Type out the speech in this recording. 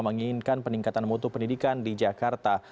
menginginkan peningkatan mutu pendidikan di jakarta